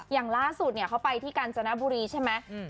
อย่างล่าสุดเขาไปที่กาญจนบุรีใช่ไหม